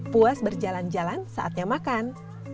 puas berjalan jalan saatnya makan